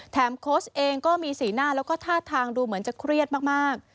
โค้ชเองก็มีสีหน้าแล้วก็ท่าทางดูเหมือนจะเครียดมาก